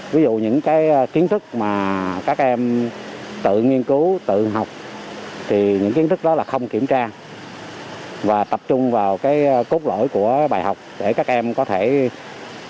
ví dụ những kiến thức mà các em tự nghiên cứu tự học thì những kiến thức đó là không kiểm tra và tập trung vào cốt lỗi của bài học để các em có thể ôn dễ dàng hơn